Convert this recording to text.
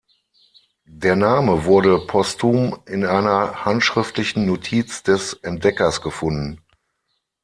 Der Name wurde postum in einer handschriftlichen Notiz des Entdeckers gefunden.